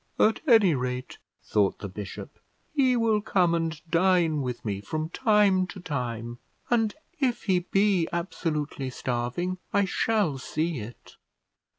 At any rate, thought the bishop, he will come and dine with me from time to time, and if he be absolutely starving I shall see it.